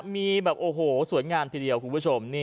มีสวยงามที่เดียวคุณผู้ชม